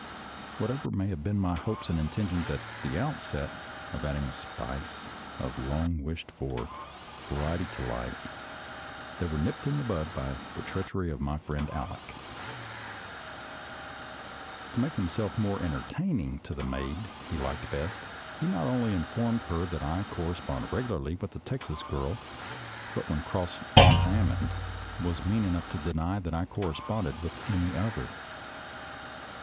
Whatever may have been my hopes and intentions at the outset, of adding a spice of long wished for variety to life, they were nipped in the bud by the treachery of my friend Aleck. To make himself the more enter 226 SOLDIER'S LETTERS TO CHARMING NELLIE taining to the maid he liked best, he not only informed her that I corresponded regularly with a Texas girl, but when cross examined was mean enough to deny that I corresponded with any other.